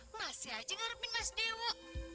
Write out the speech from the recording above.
masih aja ngarepin mas dewo